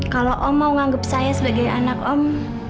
kalau om mau nganggup saya sebagai anak om